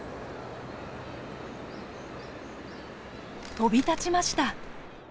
飛び立ちました。